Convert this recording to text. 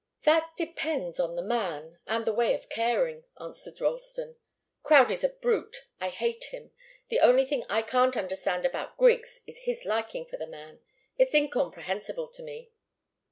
"That depends on the man and the way of caring," answered Ralston. "Crowdie's a brute. I hate him. The only thing I can't understand about Griggs is his liking for the man. It's incomprehensible to me."